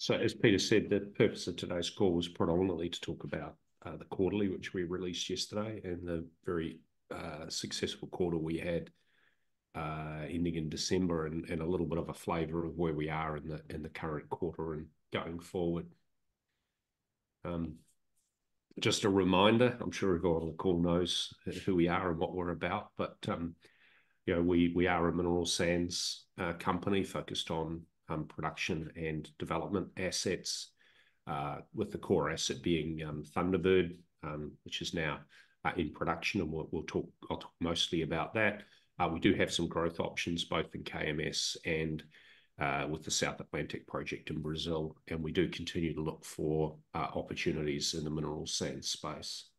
So, as Peter said, the purpose of today's call was predominantly to talk about the quarterly, which we released yesterday, and the very successful quarter we had ending in December, and a little bit of a flavor of where we are in the current quarter and going forward. Just a reminder, I'm sure everyone on the call knows who we are and what we're about, but you know, we are a mineral sands company focused on production and development assets, with the core asset being Thunderbird, which is now in production and we'll talk—I'll talk mostly about that. We do have some growth options, both in KMS and with the South Atlantic Project in Brazil, and we do continue to look for opportunities in the mineral sands space.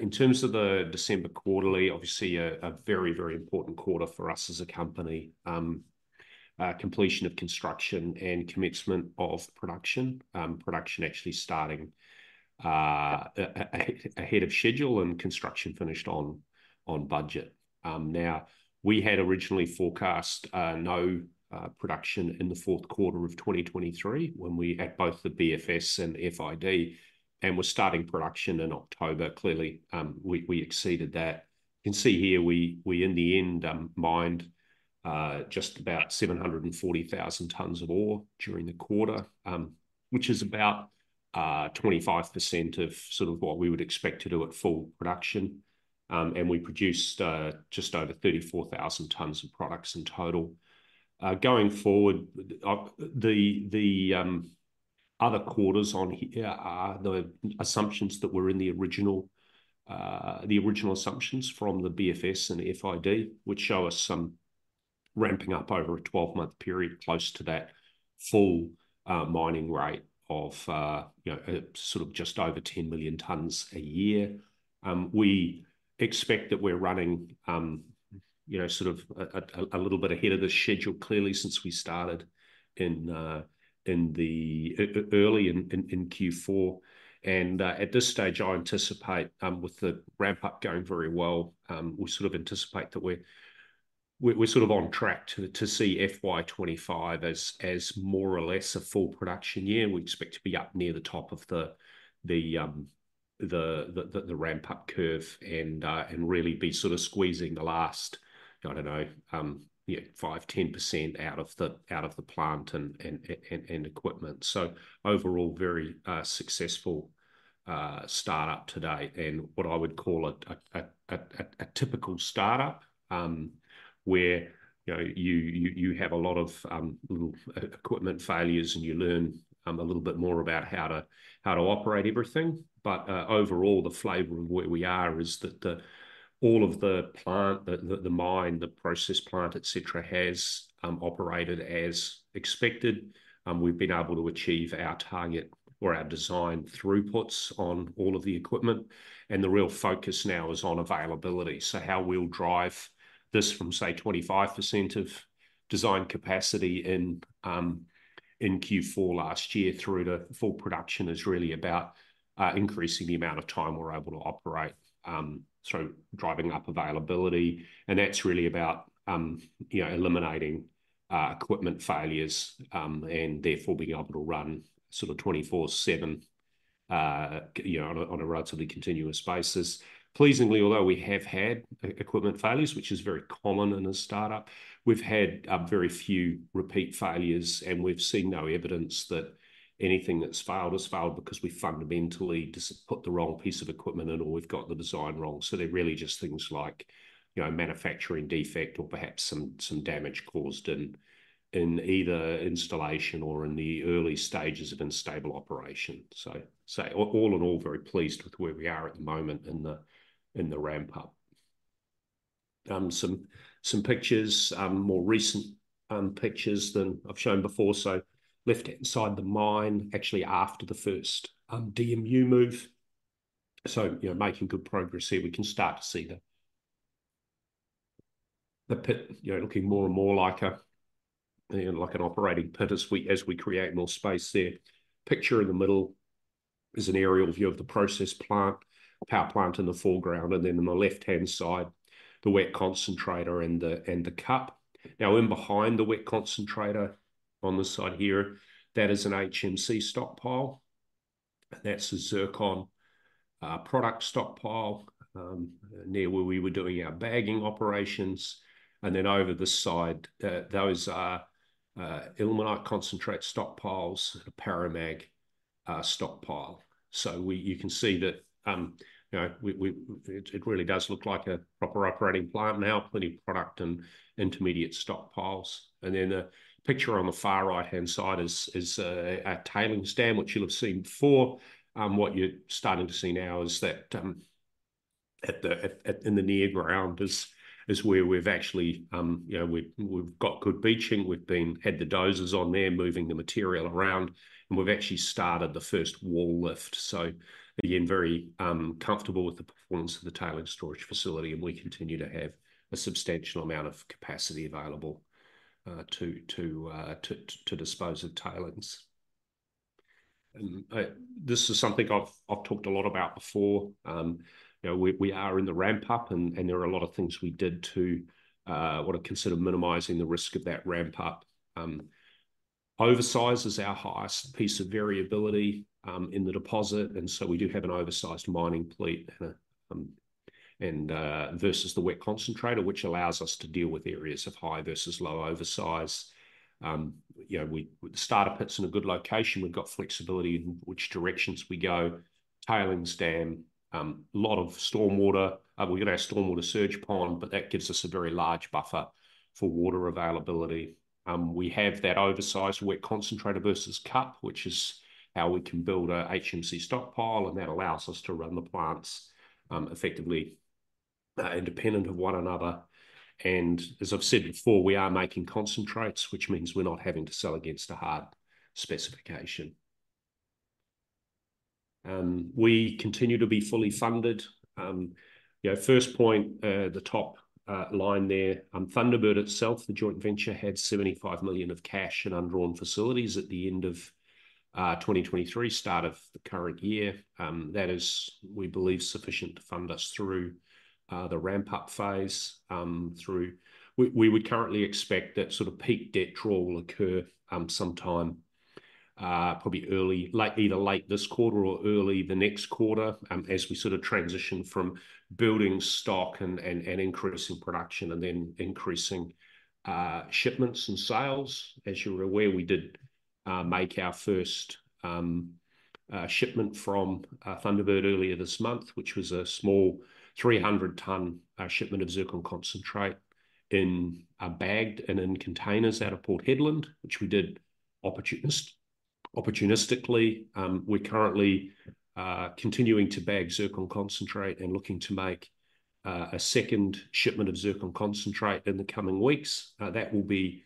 In terms of the December quarterly, obviously a very, very important quarter for us as a company. Completion of construction and commencement of production. Production actually starting ahead of schedule and construction finished on budget. Now we had originally forecast no production in the fourth quarter of 2023, when we had both the BFS and FID and was starting production in October. Clearly, we exceeded that. You can see here in the end we mined just about 740,000 tons of ore during the quarter, which is about 25% of sort of what we would expect to do at full production. And we produced just over 34,000 tons of products in total. Going forward, the other quarters on here are the assumptions that were in the original, the original assumptions from the BFS and FID, which show us some ramping up over a 12-month period, close to that full mining rate of, you know, sort of just over 10 million tons a year. We expect that we're running, you know, sort of a little bit ahead of the schedule, clearly, since we started in Q4. And, at this stage, I anticipate, with the ramp up going very well, we sort of anticipate that we're sort of on track to see FY 25 as more or less a full production year. We expect to be up near the top of the ramp-up curve and really be sort of squeezing the last, I don't know, yeah, 5, 10% out of the plant and equipment. So overall, very successful start-up to date and what I would call a typical start-up, where, you know, you have a lot of little equipment failures and you learn a little bit more about how to operate everything. But overall, the flavor of where we are is that all of the plant, the mine, the process plant, et cetera, has operated as expected. We've been able to achieve our target or our design throughputs on all of the equipment, and the real focus now is on availability. So how we'll drive this from, say, 25% of design capacity in Q4 last year through to full production is really about increasing the amount of time we're able to operate, so driving up availability. And that's really about, you know, eliminating equipment failures, and therefore being able to run sort of 24/7, you know, on a relatively continuous basis. Pleasingly, although we have had equipment failures, which is very common in a start-up, we've had very few repeat failures, and we've seen no evidence that anything that's failed has failed because we fundamentally just put the wrong piece of equipment in or we've got the design wrong. So they're really just things like, you know, a manufacturing defect or perhaps some damage caused in either installation or in the early stages of unstable operation. So all in all, very pleased with where we are at the moment in the ramp up. Some pictures, more recent pictures than I've shown before. So left-hand side, the mine actually after the first DMU move. So, you know, making good progress here. We can start to see the pit, you know, looking more and more like a, you know, like an operating pit as we create more space there. Picture in the middle is an aerial view of the process plant, power plant in the foreground, and then on the left-hand side, the wet concentrator and the CUP. Now, in behind the wet concentrator on this side here, that is an HMC stockpile. That's a zircon product stockpile near where we were doing our bagging operations. And then over this side, those are ilmenite concentrate stockpiles, a paramag stockpile. So you can see that, you know, it really does look like a proper operating plant now, plenty of product and intermediate stockpiles. And then a picture on the far right-hand side is a tailings dam, which you'll have seen before. What you're starting to see now is that at the in the near ground is where we've actually you know, we've got good beaching. We've had the dozers on there, moving the material around, and we've actually started the first wall lift. So again, very comfortable with the performance of the Tailings Storage Facility, and we continue to have a substantial amount of capacity available to dispose of tailings. And this is something I've talked a lot about before. You know, we are in the ramp-up, and there are a lot of things we did to what I consider minimizing the risk of that ramp-up. Oversize is our highest piece of variability in the deposit, and so we do have an oversized mining fleet. And versus the Wet Concentrator, which allows us to deal with areas of high versus low oversize. You know, with the starter pit's in a good location. We've got flexibility in which directions we go. Tailings dam, a lot of stormwater. We've got our stormwater surge pond, but that gives us a very large buffer for water availability. We have that oversize WCP versus CUP, which is how we can build a HMC stockpile, and that allows us to run the plants, effectively, independent of one another. And as I've said before, we are making concentrates, which means we're not having to sell against a hard specification. We continue to be fully funded. You know, first point, the top line there, Thunderbird itself, the joint venture, had 75 million of cash in undrawn facilities at the end of 2023, start of the current year. That is, we believe, sufficient to fund us through the ramp-up phase, through... We would currently expect that sort of peak debt draw will occur sometime, probably early, like, either late this quarter or early the next quarter, as we sort of transition from building stock and increasing production and then increasing shipments and sales. As you're aware, we did make our first shipment from Thunderbird earlier this month, which was a small 300-ton shipment of Zircon concentrate in bagged and in containers out of Port Hedland, which we did opportunistically. We're currently continuing to bag Zircon concentrate and looking to make a second shipment of Zircon concentrate in the coming weeks. That will be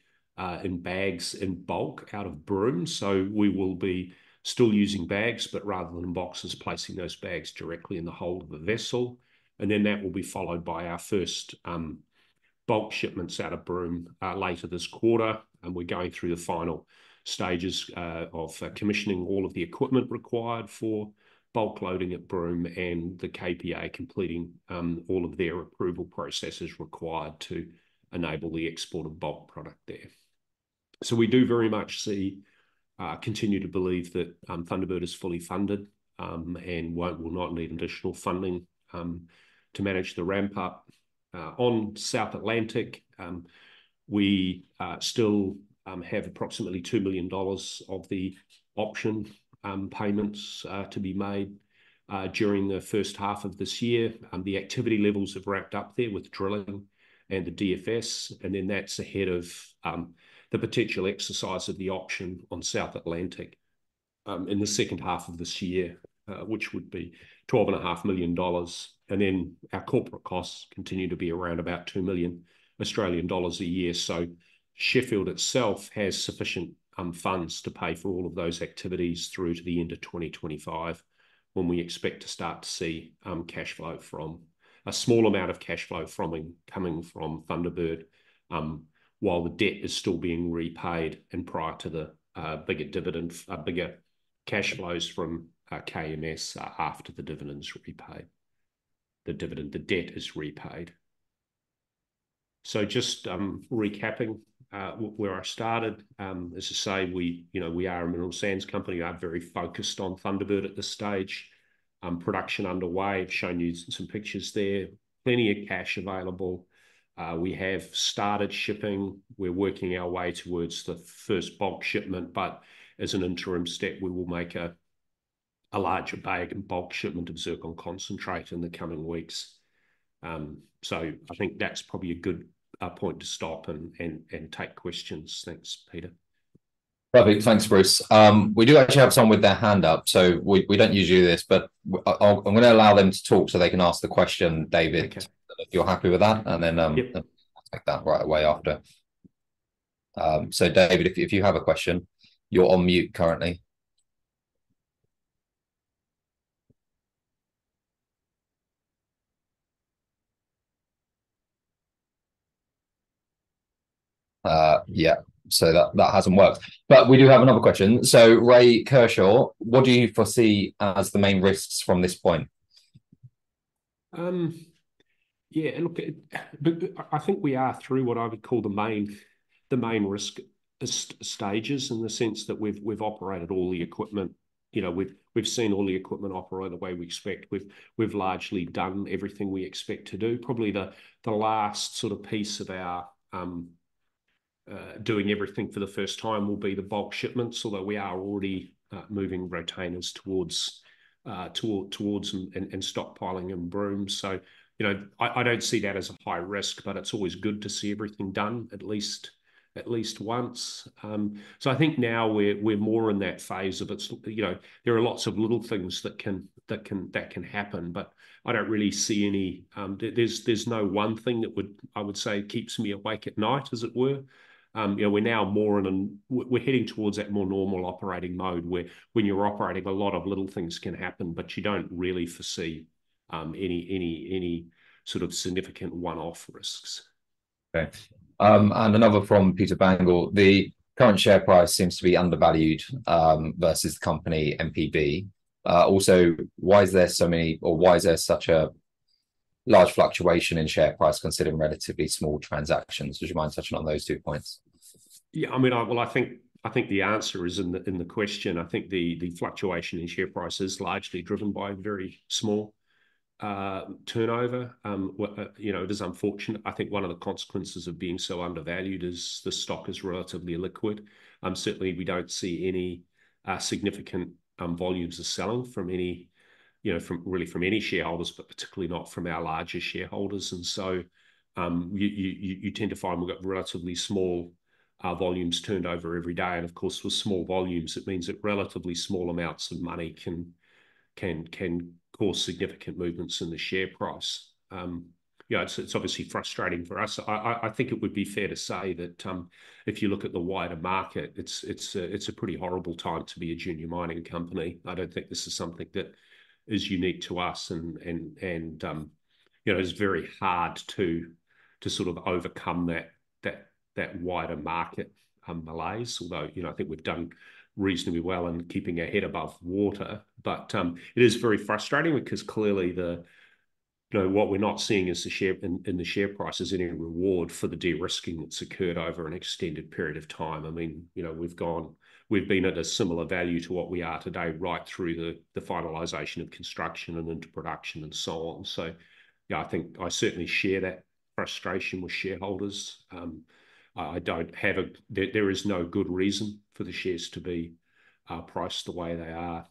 in bags, in bulk out of Broome. So we will be still using bags, but rather than boxes, placing those bags directly in the hold of the vessel, and then that will be followed by our first bulk shipments out of Broome later this quarter. We're going through the final stages of commissioning all of the equipment required for bulk loading at Broome, and the KPA completing all of their approval processes required to enable the export of bulk product there. So we do very much see continue to believe that Thunderbird is fully funded, and will not need additional funding to manage the ramp-up. On South Atlantic, we still have approximately 2 million dollars of the option payments to be made during the first half of this year. The activity levels have ramped up there with drilling and the DFS, and then that's ahead of the potential exercise of the option on South Atlantic in the second half of this year, which would be 12.5 million dollars. And then our corporate costs continue to be around about 2 million Australian dollars a year. So Sheffield itself has sufficient funds to pay for all of those activities through to the end of 2025, when we expect to start to see cash flow from- a small amount of cash flow from coming from Thunderbird while the debt is still being repaid and prior to the bigger dividends... bigger cash flows from KMS after the dividend's repaid. The dividend, the debt is repaid. So just recapping where I started. As I say, we, you know, we are a mineral sands company, are very focused on Thunderbird at this stage. Production underway. I've shown you some pictures there. Plenty of cash available. We have started shipping. We're working our way towards the first bulk shipment, but as an interim step, we will make a larger bag and bulk shipment of zircon concentrate in the coming weeks. So I think that's probably a good point to stop and take questions. Thanks, Peter. Lovely. Thanks, Bruce. We do actually have someone with their hand up, so we don't usually do this, but I'm gonna allow them to talk so they can ask the question, David- Okay. if you're happy with that, and then, Yep. I'll take that right away after. So David, if you have a question, you're on mute currently. Yeah, so that hasn't worked. But we do have another question. So Ray Kershaw, what do you foresee as the main risks from this point? Yeah, look, But, but I think we are through what I would call the main risk stages, in the sense that we've operated all the equipment. You know, we've seen all the equipment operate the way we expect. We've largely done everything we expect to do. Probably the last sort of piece of our doing everything for the first time will be the bulk shipments, although we are already moving containers towards and stockpiling in Broome. So, you know, I don't see that as a high risk, but it's always good to see everything done at least once. So I think now we're more in that phase where it's, you know, there are lots of little things that can happen, but I don't really see any. There's no one thing that I would say keeps me awake at night, as it were. You know, we're now more in a—we're heading towards that more normal operating mode, where when you're operating, a lot of little things can happen, but you don't really foresee any sort of significant one-off risks. Okay. And another from Peter Bangel: "The current share price seems to be undervalued versus company MPB. Also, why is there so many- or why is there such a large fluctuation in share price, considering relatively small transactions?" Would you mind touching on those two points? Yeah, I mean, well, I think the answer is in the question. I think the fluctuation in share price is largely driven by very small turnover. Well, you know, it is unfortunate. I think one of the consequences of being so undervalued is the stock is relatively liquid. Certainly we don't see any significant volumes of selling from any, you know, from really from any shareholders, but particularly not from our larger shareholders. And so, you tend to find we've got relatively small volumes turned over every day. And of course, with small volumes, it means that relatively small amounts of money can cause significant movements in the share price. You know, it's obviously frustrating for us. I think it would be fair to say that, if you look at the wider market, it's a pretty horrible time to be a junior mining company. I don't think this is something that is unique to us, and you know, it's very hard to sort of overcome that wider market malaise. Although, you know, I think we've done reasonably well in keeping our head above water. But it is very frustrating because clearly, you know, what we're not seeing is the share price is any reward for the de-risking that's occurred over an extended period of time. I mean, you know, we've been at a similar value to what we are today right through the finalisation of construction and into production, and so on. So yeah, I think I certainly share that frustration with shareholders. There is no good reason for the shares to be priced the way they are,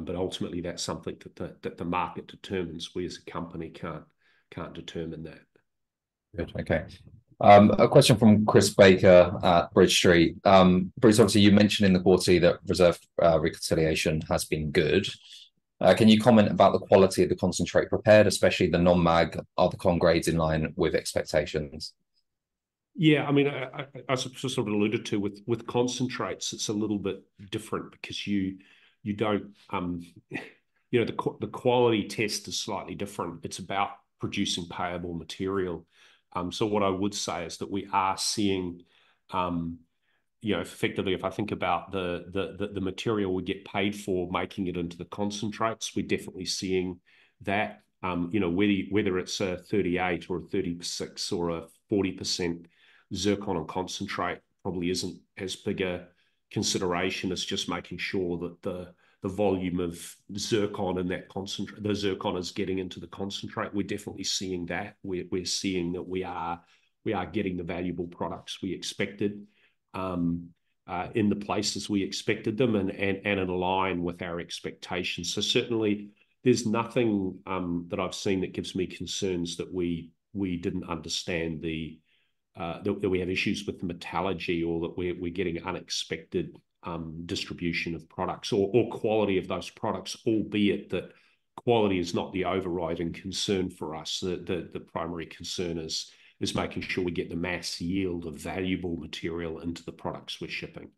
but ultimately, that's something that the market determines. We as a company can't determine that. Good. Okay. A question from Chris Baker at Bridge Street. Bruce, obviously you mentioned in the quarter that reserve reconciliation has been good. Can you comment about the quality of the concentrate prepared, especially the non-mag? Are the con grades in line with expectations? Yeah, I mean, I sort of alluded to with concentrates, it's a little bit different because you don't, you know, the quality test is slightly different. It's about producing payable material. So what I would say is that we are seeing, you know, effectively, if I think about the material we get paid for making it into the concentrates, we're definitely seeing that. You know, whether it's a 38 or a 36 or a 40% zircon on concentrate probably isn't as big a consideration as just making sure that the volume of zircon in that concentrate, the zircon is getting into the concentrate. We're definitely seeing that. We're seeing that we are getting the valuable products we expected in the places we expected them, and in line with our expectations. So certainly, there's nothing that I've seen that gives me concerns that we didn't understand that we have issues with the metallurgy or that we're getting unexpected distribution of products or quality of those products, albeit that quality is not the overriding concern for us. The primary concern is making sure we get the mass yield of valuable material into the products we're shipping.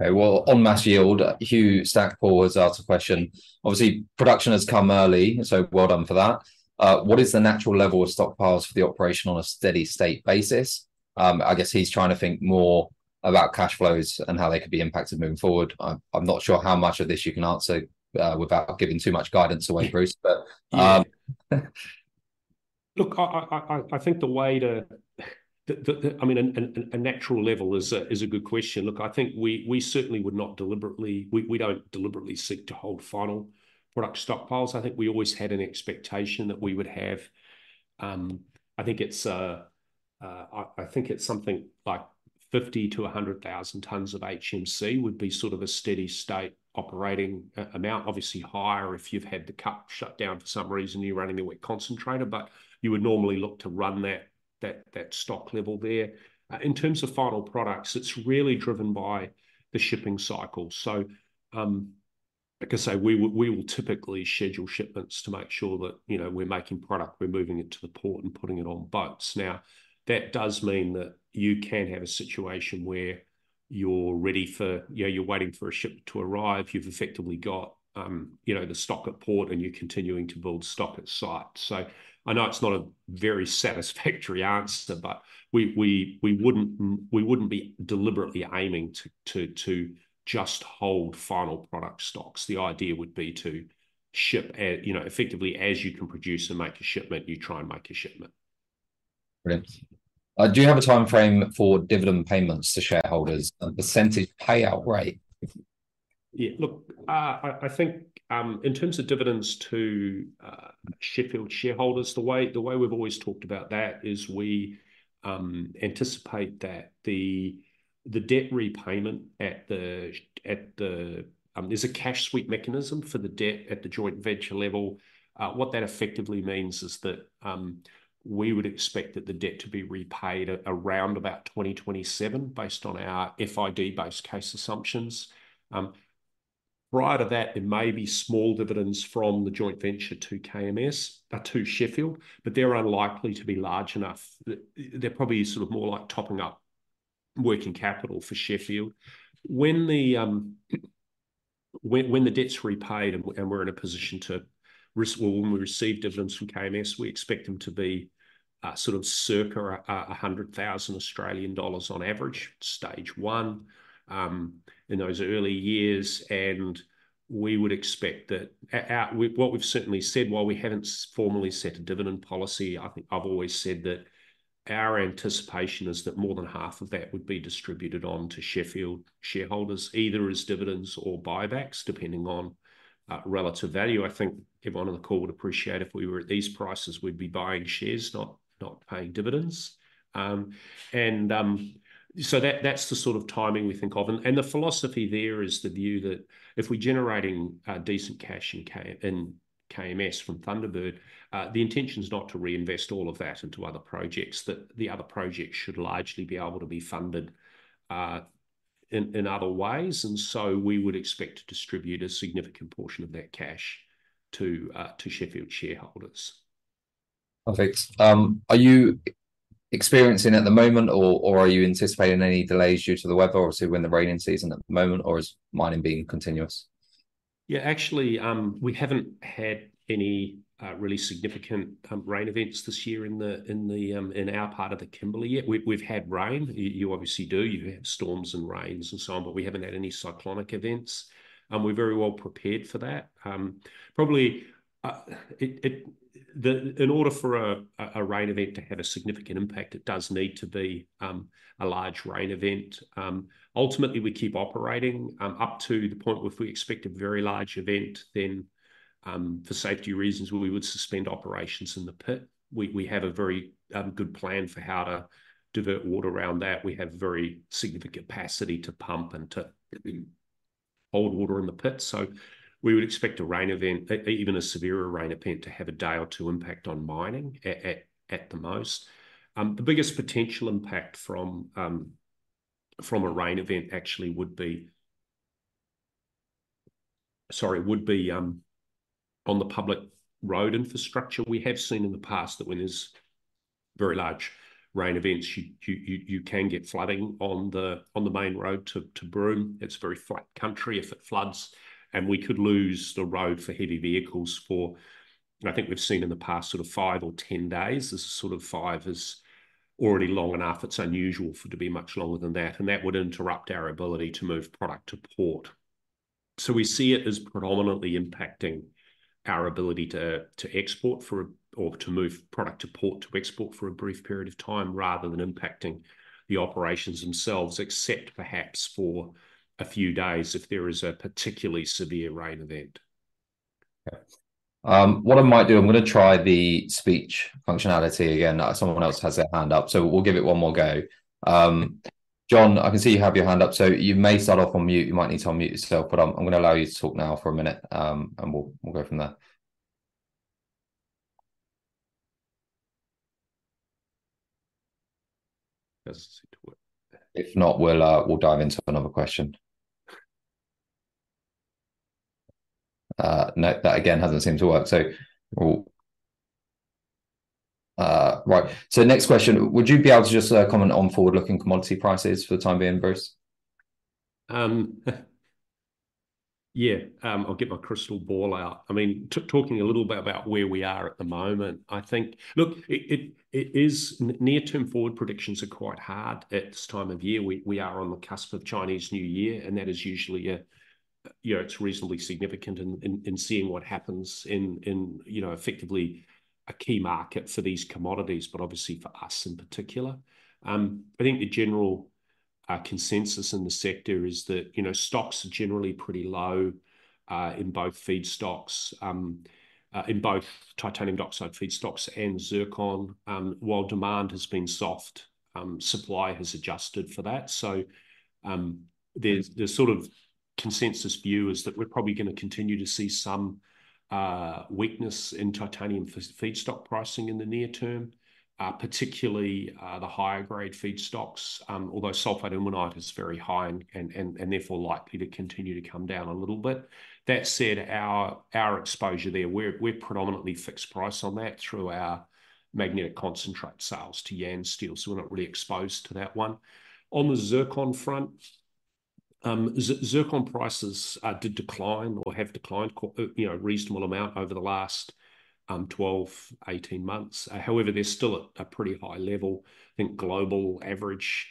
Okay, well, on mass yield, Hugh Stacpoole has asked a question. Obviously, production has come early, so well done for that. What is the natural level of stockpiles for the operation on a steady state basis? I guess he's trying to think more about cash flows and how they could be impacted moving forward. I'm not sure how much of this you can answer without giving too much guidance away, Bruce, but- Look, I think the way to... I mean, a natural level is a good question. Look, I think we certainly would not deliberately... We don't deliberately seek to hold final product stockpiles. I think we always had an expectation that we would have, I think it's something like 50,000-100,000 tons of HMC would be sort of a steady state operating amount. Obviously higher if you've had the CUP shut down for some reason, you're running it with concentrator, but you would normally look to run that stock level there. In terms of final products, it's really driven by the shipping cycle. So, like I say, we will typically schedule shipments to make sure that, you know, we're making product, we're moving it to the port, and putting it on boats. Now, that does mean that you can have a situation where you're ready for... you know, you're waiting for a ship to arrive. You've effectively got, you know, the stock at port, and you're continuing to build stock at site. So I know it's not a very satisfactory answer, but we wouldn't be deliberately aiming to just hold final product stocks. The idea would be to ship at, you know, effectively as you can produce and make a shipment, you try and make a shipment. Great. Do you have a timeframe for dividend payments to shareholders and the percentage payout rate? Yeah, look, I think in terms of dividends to Sheffield shareholders, the way, the way we've always talked about that is we anticipate that the debt repayment at the... There's a cash sweep mechanism for the debt at the joint venture level. What that effectively means is that we would expect that the debt to be repaid at around about 2027, based on our FID-based case assumptions. Prior to that, it may be small dividends from the joint venture to KMS to Sheffield, but they're unlikely to be large enough. They're probably sort of more like topping up working capital for Sheffield. When the p-... When the debt's repaid and we're in a position to well, when we receive dividends from KMS, we expect them to be sort of circa 100,000 Australian dollars on average, stage one, in those early years. And we would expect that what we've certainly said, while we haven't formally set a dividend policy, I think I've always said that our anticipation is that more than half of that would be distributed on to Sheffield shareholders, either as dividends or buybacks, depending on relative value. I think everyone on the call would appreciate if we were at these prices, we'd be buying shares, not paying dividends. And so that's the sort of timing we think of. The philosophy there is the view that if we're generating decent cash in KMS from Thunderbird, the intention is not to reinvest all of that into other projects, that the other projects should largely be able to be funded in other ways. And so we would expect to distribute a significant portion of that cash to Sheffield shareholders. Perfect. Are you experiencing at the moment, or, or are you anticipating any delays due to the weather, obviously, we're in the raining season at the moment, or is mining being continuous? Yeah, actually, we haven't had any really significant rain events this year in our part of the Kimberley yet. We've had rain. You obviously do, you have storms and rains and so on, but we haven't had any cyclonic events, and we're very well prepared for that. Probably, in order for a rain event to have a significant impact, it does need to be a large rain event. Ultimately, we keep operating up to the point where if we expect a very large event, then, for safety reasons, we would suspend operations in the pit. We have a very good plan for how to divert water around that. We have very significant capacity to pump and to hold water in the pit. So we would expect a rain event, even a severe rain event, to have a day or 2 impact on mining at the most. The biggest potential impact from a rain event actually would be. Sorry, would be on the public road infrastructure. We have seen in the past that when there's very large rain events, you can get flooding on the main road to Broome. It's very flat country if it floods, and we could lose the road for heavy vehicles for, I think we've seen in the past, sort of 5 or 10 days. The sort of 5 is already long enough. It's unusual for it to be much longer than that, and that would interrupt our ability to move product to port. So we see it as predominantly impacting our ability to, to export for, or to move product to port, to export for a brief period of time, rather than impacting the operations themselves, except perhaps for a few days if there is a particularly severe rain event. Okay. What I might do, I'm gonna try the speech functionality again. Someone else has their hand up, so we'll give it one more go. John, I can see you have your hand up, so you may start off on mute. You might need to unmute yourself, but I'm gonna allow you to talk now for a minute, and we'll go from there. Let's see if it works. If not, we'll dive into another question. No, that again hasn't seemed to work, so we'll... Right. So next question, would you be able to just comment on forward-looking commodity prices for the time being, Bruce? Yeah. I'll get my crystal ball out. I mean, talking a little bit about where we are at the moment, I think. Look, it is, near-term forward predictions are quite hard at this time of year. We are on the cusp of Chinese New Year, and that is usually, you know, it's reasonably significant in seeing what happens in, you know, effectively a key market for these commodities, but obviously for us in particular. I think the general consensus in the sector is that, you know, stocks are generally pretty low in both feedstocks, in both titanium dioxide feedstocks and zircon. While demand has been soft, supply has adjusted for that. The sort of consensus view is that we're probably gonna continue to see some weakness in titanium feedstock pricing in the near term, particularly the higher grade feedstocks. Although sulfate ilmenite is very high and, and, and, therefore, likely to continue to come down a little bit. That said, our exposure there, we're predominantly fixed price on that through our magnetic concentrate sales to Yansteel, so we're not really exposed to that one. On the zircon front, zircon prices did decline or have declined, you know, a reasonable amount over the last 12, 18 months. However, they're still at a pretty high level. I think global average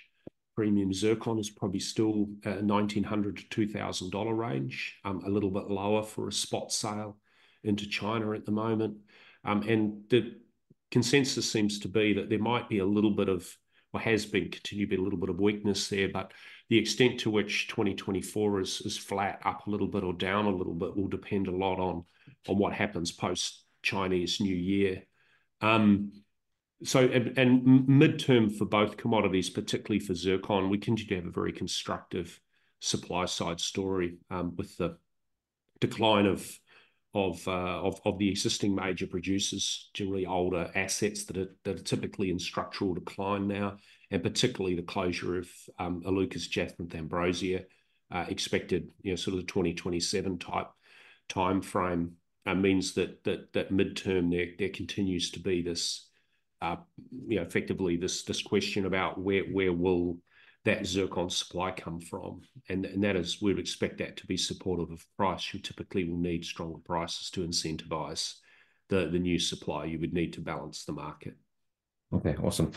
premium zircon is probably still AUD1,900-AUD2,000 range. A little bit lower for a spot sale into China at the moment. And the consensus seems to be that there might be a little bit of, or has been, continue to be a little bit of weakness there, but the extent to which 2024 is, is flat, up a little bit or down a little bit, will depend a lot on, on what happens post-Chinese New Year. So, and, and mid-term for both commodities, particularly for zircon, we continue to have a very constructive supply-side story, with the decline of the existing major producers, generally older assets that are, that are typically in structural decline now, and particularly the closure of Iluka's Jacinth-Ambrosia, expected, you know, sort of the 2027 type timeframe. That means that, that, that mid-term, there, there continues to be this-... you know, effectively this, this question about where, where will that zircon supply come from? And, and that is, we'd expect that to be supportive of price. You typically will need stronger prices to incentivize the, the new supply you would need to balance the market. Okay, awesome.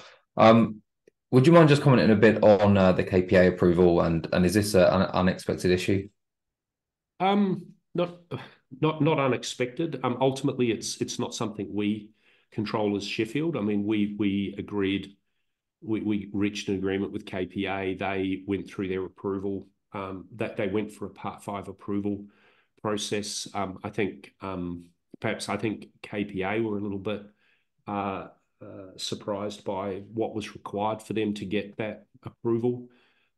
Would you mind just commenting a bit on the KPA approval, and is this an unexpected issue? Not unexpected. Ultimately, it's not something we control as Sheffield. I mean, we agreed. We reached an agreement with KPA. They went through their approval that they went for a Part V approval process. I think, perhaps KPA were a little bit surprised by what was required for them to get that approval,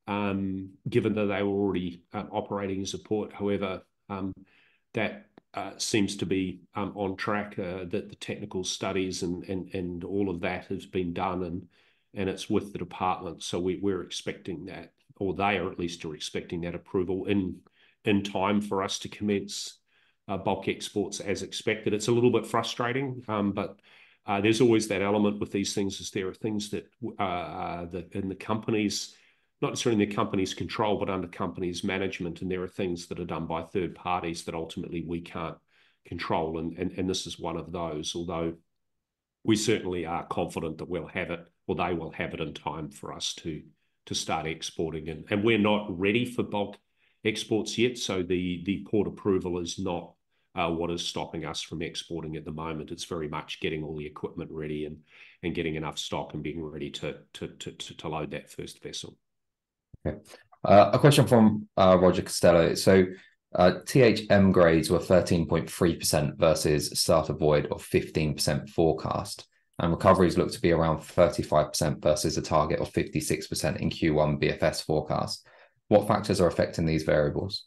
given that they were already operating in support. However, that seems to be on track, that the technical studies and all of that has been done, and it's with the department, so we're expecting that... or they are at least expecting that approval in time for us to commence bulk exports as expected. It's a little bit frustrating, but, there's always that element with these things, is there are things that in the company's, not necessarily in the company's control, but under company's management, and there are things that are done by third parties that ultimately we can't control, and, and, and this is one of those. Although, we certainly are confident that we'll have it, or they will have it in time for us to, to start exporting. And, and we're not ready for bulk exports yet, so the, the port approval is not, what is stopping us from exporting at the moment. It's very much getting all the equipment ready and, and getting enough stock and being ready to, to, to, to, to load that first vessel. Okay. A question from Roger Costello. So, THM grades were 13.3% versus sulfur void of 15% forecast, and recoveries look to be around 35% versus a target of 56% in Q1 BFS forecast. What factors are affecting these variables?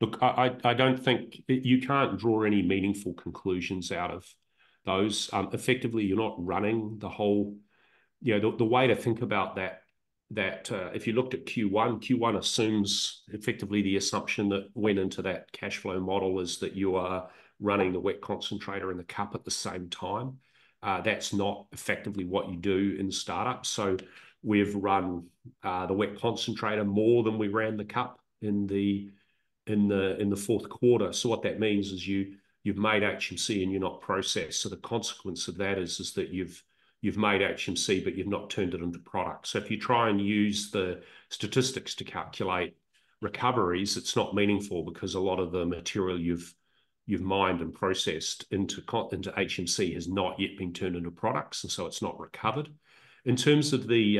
Look, I don't think you can draw any meaningful conclusions out of those. Effectively, you're not running the whole. You know, the way to think about that, if you looked at Q1, Q1 assumes effectively the assumption that went into that cash flow model is that you are running the wet concentrator and the CUP at the same time. That's not effectively what you do in the startup. So we've run the wet concentrator more than we ran the CUP in the fourth quarter. So what that means is you've made HMC and you've not processed. So the consequence of that is that you've made HMC, but you've not turned it into product. So, if you try and use the statistics to calculate recoveries, it's not meaningful, because a lot of the material you've mined and processed into HMC has not yet been turned into products, and so it's not recovered. In terms of the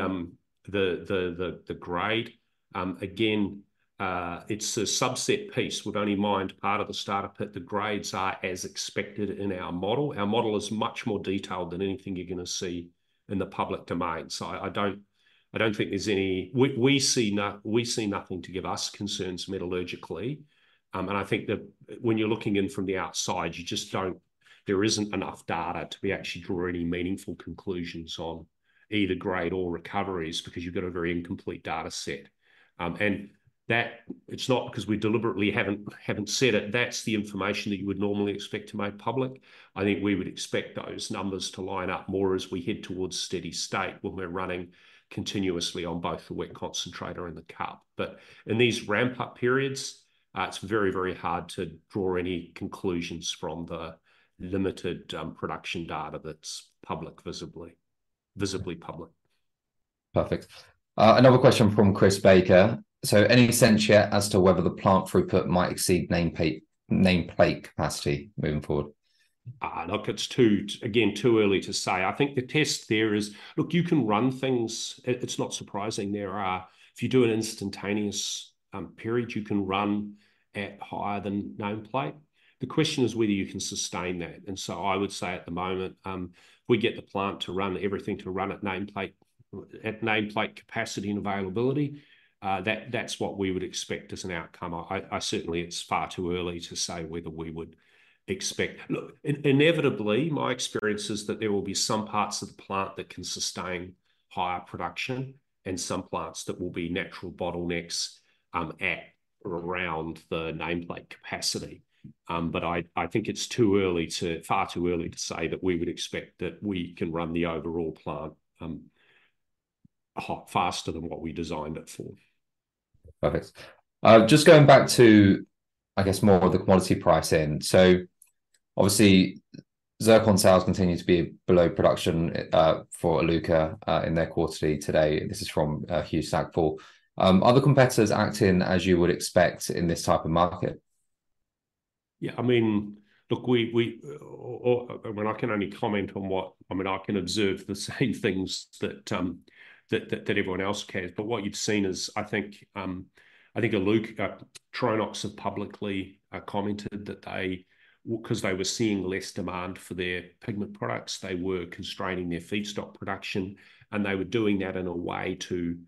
grade, again, it's a subset piece. We've only mined part of the startup, but the grades are as expected in our model. Our model is much more detailed than anything you're gonna see in the public domain. So I don't think there's any... We see nothing to give us concerns metallurgically. And I think that when you're looking in from the outside, you just don't. There isn't enough data to actually draw any meaningful conclusions on either grade or recoveries, because you've got a very incomplete data set. And that, it's not because we deliberately haven't said it, that's the information that you would normally expect to make public. I think we would expect those numbers to line up more as we head towards steady state, when we're running continuously on both the wet concentrator and the CUP. But in these ramp-up periods, it's very, very hard to draw any conclusions from the limited production data that's publicly visible. Perfect. Another question from Chris Baker: "So any sense yet as to whether the plant throughput might exceed nameplate capacity moving forward? Look, it's too early to say again. I think the test there is, Look, you can run things, it's not surprising if you do an instantaneous period, you can run at higher than nameplate. The question is whether you can sustain that. And so I would say at the moment, if we get the plant to run, everything to run at nameplate, at nameplate capacity and availability, that's what we would expect as an outcome. Certainly it's far too early to say whether we would expect... Look, inevitably, my experience is that there will be some parts of the plant that can sustain higher production and some parts that will be natural bottlenecks at or around the nameplate capacity. But I think it's too early, far too early to say that we would expect that we can run the overall plant a lot faster than what we designed it for. Perfect. Just going back to, I guess, more of the commodity pricing. So obviously, zircon sales continue to be below production for Iluka in their quarterly today. This is from Hugh Stacpoole. Are the competitors acting as you would expect in this type of market? Yeah, I mean, look, Well, I can only comment on what- I mean, I can observe the same things that everyone else can. But what you've seen is, I think, Iluka, Tronox have publicly commented that they, well, 'cause they were seeing less demand for their pigment products, they were constraining their feedstock production, and they were doing that in a way to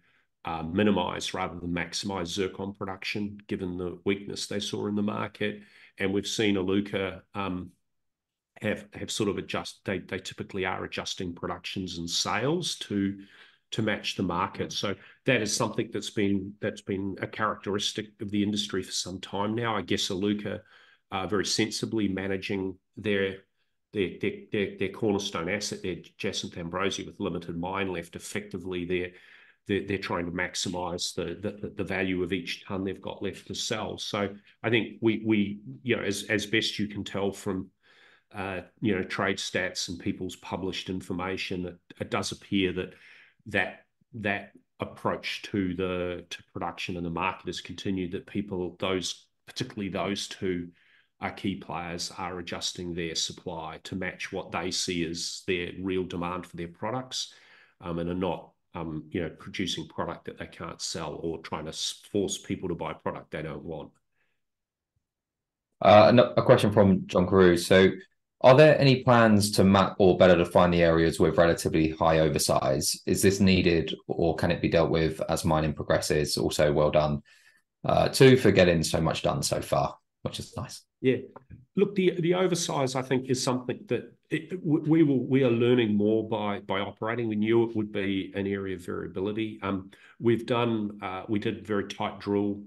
minimize rather than maximize zircon production, given the weakness they saw in the market. And we've seen Iluka have sort of adjust- they typically are adjusting productions and sales to match the market. So that is something that's been a characteristic of the industry for some time now. I guess Iluka are very sensibly managing their-... Their cornerstone asset, their Jacinth-Ambrosia with limited mine left. Effectively, they're trying to maximize the value of each ton they've got left to sell. So I think we, you know, as best you can tell from, you know, trade stats and people's published information, that it does appear that approach to the production and the market has continued. That people, those, particularly those who are key players, are adjusting their supply to match what they see as the real demand for their products, and are not, you know, producing product that they can't sell or trying to force people to buy product they don't want. And a question from John Carew: "So are there any plans to map or better define the areas with relatively high oversize? Is this needed or can it be dealt with as mining progresses? Also, well done, too, for getting so much done so far," which is nice. Yeah. Look, the oversize, I think, is something that we are learning more by operating. We knew it would be an area of variability. We've done. We did very tight drill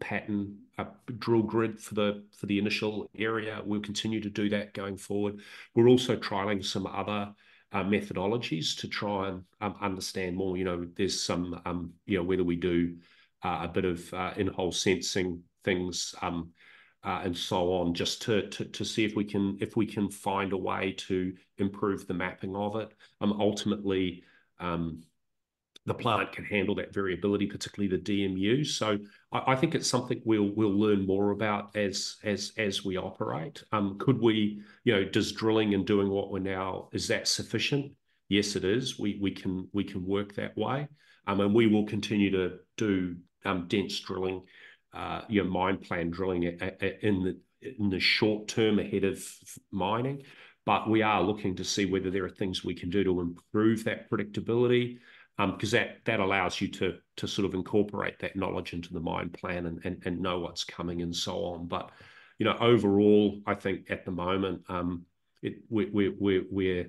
pattern, a drill grid for the initial area. We'll continue to do that going forward. We're also trialing some other methodologies to try and understand more. You know, there's some, you know, whether we do a bit of in-hole sensing things, and so on, just to see if we can find a way to improve the mapping of it. Ultimately, the plant can handle that variability, particularly the DMU. So I think it's something we'll learn more about as we operate. Could we—you know, does drilling and doing what we're now, is that sufficient? Yes, it is. We can work that way. And we will continue to do dense drilling, you know, mine plan drilling in the short term ahead of mining. But we are looking to see whether there are things we can do to improve that predictability, 'cause that allows you to sort of incorporate that knowledge into the mine plan and know what's coming and so on. But, you know, overall, I think at the moment, it—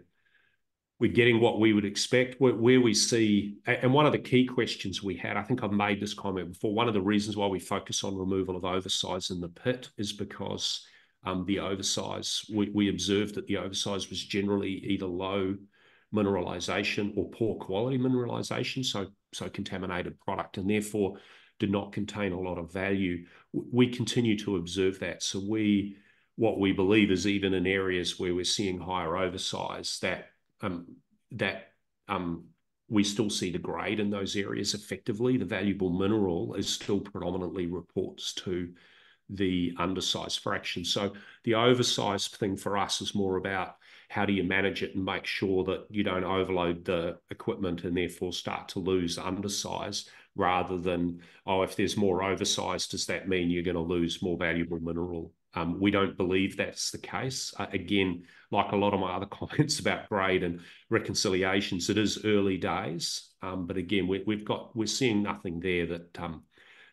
we're getting what we would expect. Where we see... One of the key questions we had, I think I've made this comment before, one of the reasons why we focus on removal of oversize in the pit is because the oversize, we observed that the oversize was generally either low mineralization or poor quality mineralization, so contaminated product, and therefore did not contain a lot of value. We continue to observe that, so what we believe is even in areas where we're seeing higher oversize, that we still see the grade in those areas. Effectively, the valuable mineral is still predominantly reports to the undersize fraction. So the oversize thing for us is more about how do you manage it and make sure that you don't overload the equipment, and therefore start to lose undersize rather than, oh, if there's more oversize, does that mean you're gonna lose more valuable mineral? We don't believe that's the case. Again, like a lot of my other comments about grade and reconciliations, it is early days. But again, we're seeing nothing there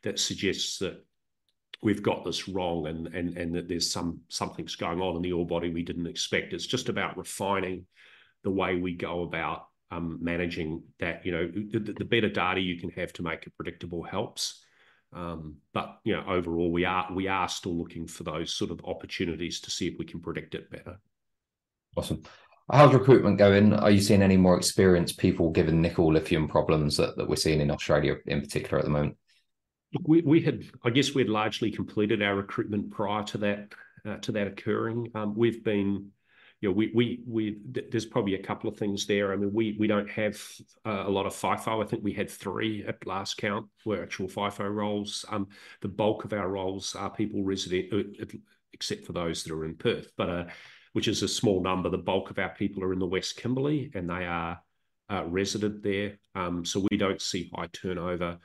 that suggests that we've got this wrong and that there's something going on in the ore body we didn't expect. It's just about refining the way we go about managing that. You know, the better data you can have to make it predictable helps. But, you know, overall we are still looking for those sort of opportunities to see if we can predict it better. Awesome. How's recruitment going? Are you seeing any more experienced people, given nickel, lithium problems that we're seeing in Australia in particular at the moment? We had- I guess we'd largely completed our recruitment prior to that, to that occurring. We've been... You know, we- there's probably a couple of things there. I mean, we don't have a lot of FIFO. I think we had 3 at last count, were actual FIFO roles. The bulk of our roles are people resident, except for those that are in Perth, but, which is a small number. The bulk of our people are in the West Kimberley, and they are resident there. So we don't see high turnover.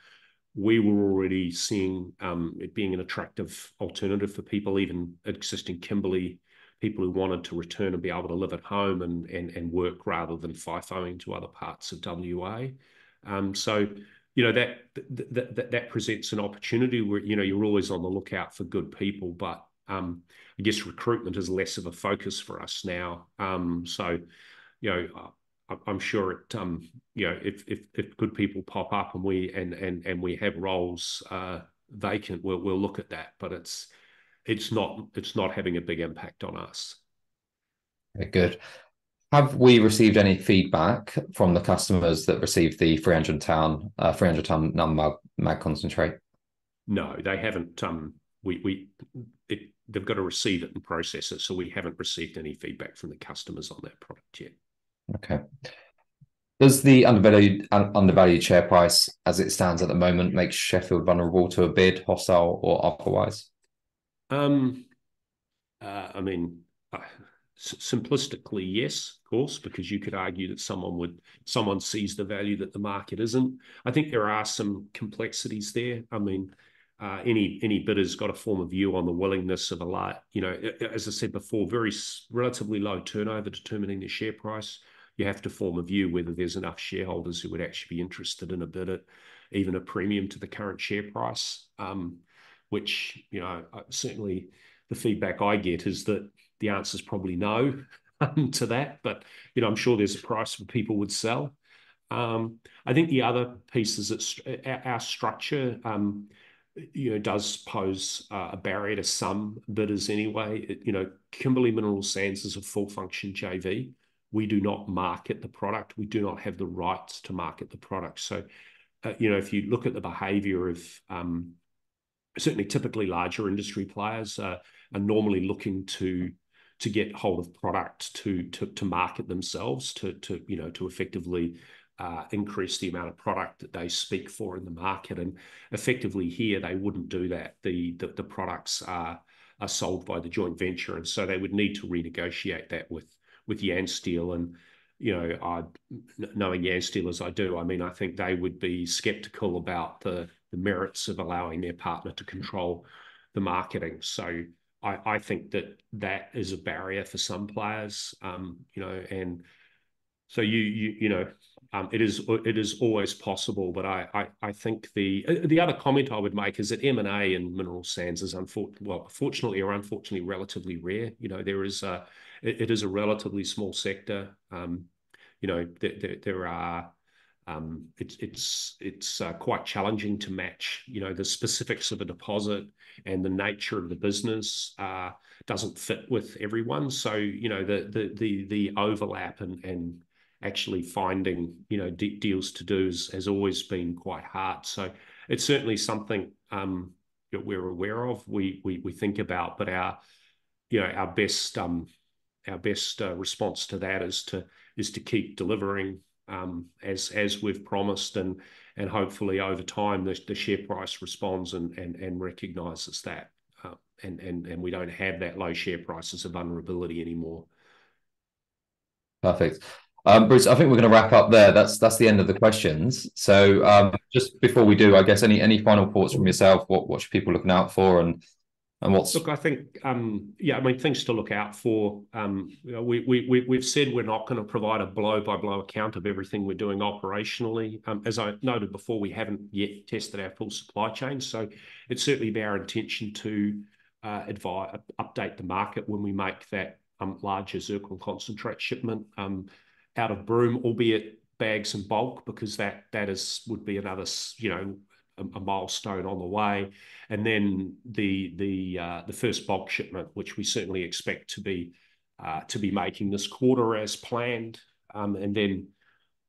We were already seeing, it being an attractive alternative for people, even existing Kimberley people who wanted to return and be able to live at home and work rather than FIFO-ing to other parts of WA. So you know that presents an opportunity where, you know, you're always on the lookout for good people. But I guess recruitment is less of a focus for us now. So, you know, I'm sure it. You know, if good people pop up and we have roles vacant, we'll look at that. But it's not having a big impact on us. Okay, good. Have we received any feedback from the customers that received the 300-ton, 300-ton non-mag concentrate? No, they haven't. They've got to receive it and process it, so we haven't received any feedback from the customers on that product yet. Okay. Does the undervalued share price, as it stands at the moment, make Sheffield vulnerable to a bid, hostile or otherwise? I mean, simplistically, yes, of course, because you could argue that someone sees the value that the market isn't. I think there are some complexities there. I mean, any bidder's got a form of view on the willingness. You know, as I said before, relatively low turnover determining the share price. You have to form a view whether there's enough shareholders who would actually be interested in a bidder, even a premium to the current share price, which, you know, certainly the feedback I get is that the answer's probably no, to that. But, you know, I'm sure there's a price where people would sell. I think the other piece is that our structure, you know, does pose a barrier to some bidders anyway. You know, Kimberley Mineral Sands is a full-function JV. We do not market the product. We do not have the rights to market the product. So, you know, if you look at the behavior of, certainly typically larger industry players, are normally looking to get hold of product to market themselves, to you know, to effectively increase the amount of product that they speak for in the market. And effectively here, they wouldn't do that. The products are sold by the joint venture, and so they would need to renegotiate that with Yansteel and, you know, knowing Yansteel as I do, I mean, I think they would be skeptical about the merits of allowing their partner to control the marketing. So I think that that is a barrier for some players. You know, and so you know, it is always possible, but I think the other comment I would make is that M&A and mineral sands is well, fortunately or unfortunately, relatively rare. You know, there is. It is a relatively small sector. You know, there are, it's quite challenging to match, you know, the specifics of a deposit and the nature of the business doesn't fit with everyone. So, you know, the overlap and actually finding, you know, deals to do has always been quite hard. So it's certainly something that we're aware of, we think about, but you know, our best response to that is to keep delivering as we've promised, and hopefully over time, the share price responds and recognizes that. And we don't have that low share price vulnerability anymore. Perfect. Bruce, I think we're going to wrap up there. That's, that's the end of the questions. So, just before we do, I guess any, any final thoughts from yourself? What, what should people looking out for and, and what's- Look, I think, yeah, I mean, things to look out for, you know, we've said we're not going to provide a blow-by-blow account of everything we're doing operationally. As I noted before, we haven't yet tested our full supply chain, so it's certainly our intention to update the market when we make that larger zircon concentrate shipment out of Broome, albeit bags in bulk, because that would be another, you know, a milestone on the way. And then the first bulk shipment, which we certainly expect to be making this quarter as planned. And then,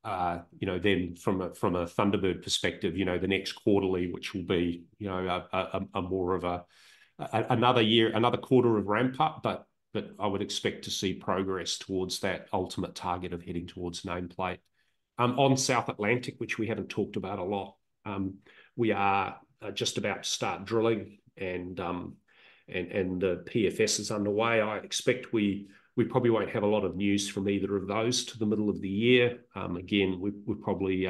you know, then from a Thunderbird perspective, you know, the next quarterly, which will be, you know, another year, another quarter of ramp up, but I would expect to see progress towards that ultimate target of heading towards nameplate. On South Atlantic, which we haven't talked about a lot, we are just about to start drilling and the PFS is underway. I expect we probably won't have a lot of news from either of those till the middle of the year. Again, we'll probably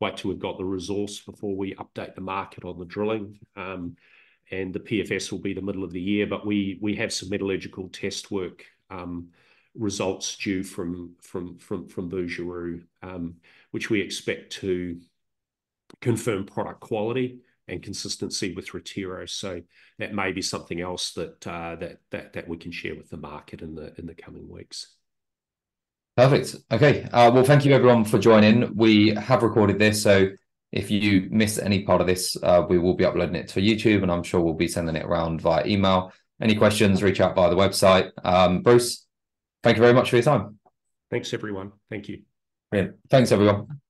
wait till we've got the resource before we update the market on the drilling. And the PFS will be the middle of the year. But we have some metallurgical test work results due from Bouguérou, which we expect to confirm product quality and consistency with Retiro. So that may be something else that we can share with the market in the coming weeks. Perfect. Okay. Well, thank you everyone for joining. We have recorded this, so if you miss any part of this, we will be uploading it to YouTube, and I'm sure we'll be sending it around via email. Any questions, reach out via the website. Bruce, thank you very much for your time. Thanks, everyone. Thank you. Yeah. Thanks, everyone. Bye.